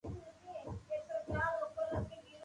ھون ايڪ واڌو ھون